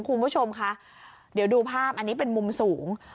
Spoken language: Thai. คุณผู้ชมคะเดี๋ยวดูภาพอันนี้เป็นมุมสูง